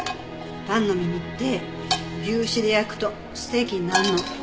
パンの耳って牛脂で焼くとステーキになるの。